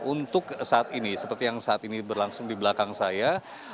untuk saat ini seperti yang saat ini berlangsung di belakang saya